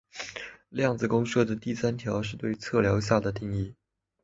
量子公设的第三条是对测量下的定义。